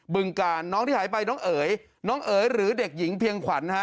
ึงกาลน้องที่หายไปน้องเอ๋ยน้องเอ๋ยหรือเด็กหญิงเพียงขวัญนะฮะ